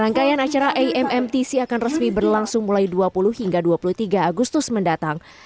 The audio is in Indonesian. rangkaian acara ammtc akan resmi berlangsung mulai dua puluh hingga dua puluh tiga agustus mendatang